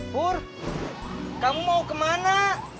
pur kamu mau kemana